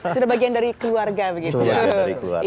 sudah bagian dari keluarga begitu